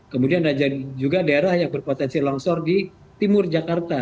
kemudian ada juga daerah yang berpotensi longsor di timur jakarta